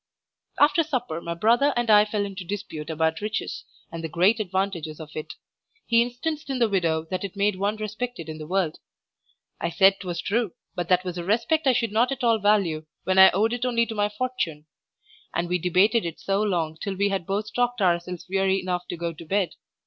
After supper my brother and I fell into dispute about riches, and the great advantages of it; he instanced in the widow that it made one respected in the world. I said 'twas true, but that was a respect I should not at all value when I owed it only to my fortune. And we debated it so long till we had both talked ourselves weary enough to go to bed.